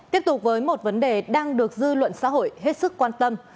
tiếp tục với một vấn đề đang được dư luận xã hội hết sức quan tâm